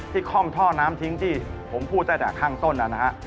ที่ค่อมท่อน้ำทิ้งที่ผมพูดได้แต่ข้างต้นนะครับ